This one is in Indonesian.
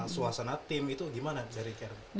suasana tim itu gimana dari karen